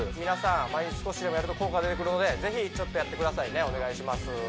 皆さん毎日少しでもやると効果が出てくるのでぜひちょっとやってくださいねお願いします